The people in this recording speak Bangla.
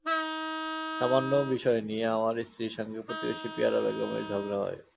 সামান্য বিষয় নিয়ে আমার স্ত্রীর সঙ্গে প্রতিবেশী পিয়ারা বেগমের ঝগড়া হয়।